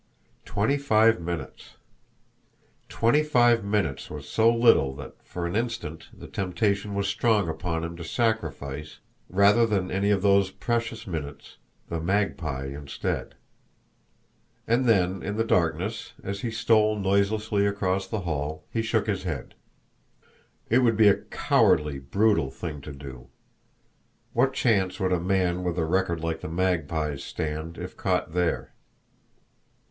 Twenty five minutes! Twenty five minutes was so little that for an instant the temptation was strong upon him to sacrifice, rather than any of those precious minutes, the Magpie instead! And then in the darkness, as he stole noiselessly across the hall, he shook his head. It would be a cowardly, brutal thing to do. What chance would a man with a record like the Magpie's stand if caught there?